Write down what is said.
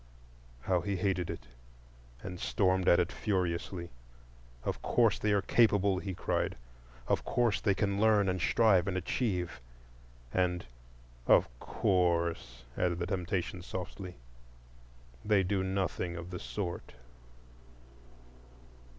How he hated it, and stormed at it furiously! "Of course they are capable," he cried; "of course they can learn and strive and achieve—" and "Of course," added the temptation softly, "they do nothing of the sort."